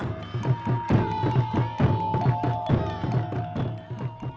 lakon dari kitab pewayangan ini berkisah tentang pandawa yang masuk ke tanah lapang untuk mementaskan babat alas amer